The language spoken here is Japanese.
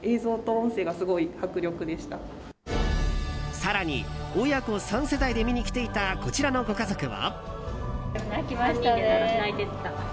更に、親子３世代で見に来ていたこちらのご家族は。